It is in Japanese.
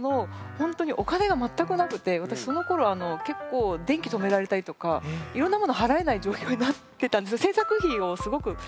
私そのころ結構電気止められたりとかいろんなもの払えない状況になってたんですね。